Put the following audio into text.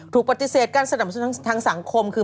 ถูกปฏิเสธการสนับสนุนทางสังคมคือ